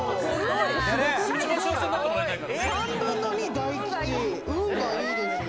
３分の２が大吉、運がいいですね。